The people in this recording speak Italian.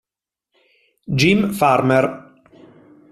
Jim Farmer